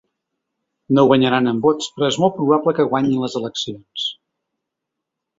No guanyaran en vots, però és molt probable que guanyin les eleccions.